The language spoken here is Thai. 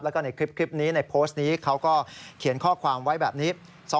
แล้วก็ในคลิปนี้ในโพสต์นี้เขาก็เขียนข้อความไว้แบบนี้